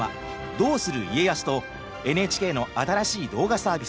「どうする家康」とＮＨＫの新しい動画サービス